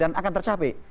dan akan tercapai